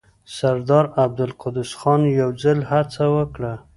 سردار عبدالقدوس خان يو ځل هڅه وکړه.